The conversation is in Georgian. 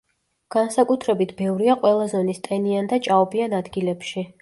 განსაკუთრებით ბევრია ყველა ზონის ტენიან და ჭაობიან ადგილებში.